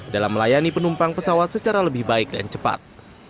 dalam melayani penumpang pesawat secara lebih baik dan cepat